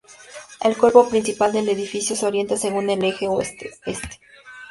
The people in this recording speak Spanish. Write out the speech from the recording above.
El cuerpo principal del edificio se orienta según el eje oeste-este.